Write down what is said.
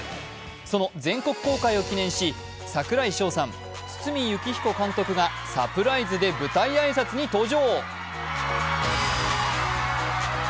その全国公開を記念し、櫻井翔さん堤幸彦監督がサプライズで舞台挨拶に登場。